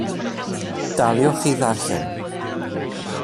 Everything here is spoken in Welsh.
Daliwch i ddarllen.